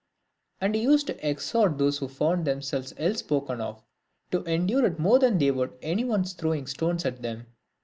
And he used to exhort those who found themselves ill spoken of, to endure it more than they would any one's throwing stones at them.